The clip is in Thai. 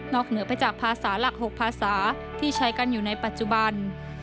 เหนือไปจากภาษาหลัก๖ภาษาที่ใช้กันอยู่ในปัจจุบัน